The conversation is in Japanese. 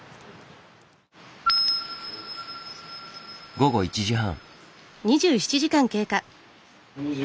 午後１時半。